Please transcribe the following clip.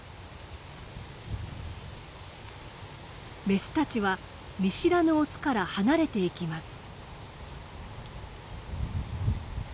メスたちは見知らぬオスから離れていきます。